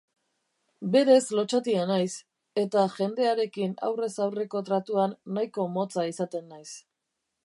Berez lotsatia naiz eta jendearekin aurrez aurreko tratuan nahiko motza izaten naiz.